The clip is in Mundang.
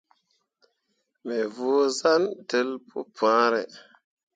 Me võo zan tel pu pããre.